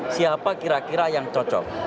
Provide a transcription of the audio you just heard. siapa kira kira yang cocok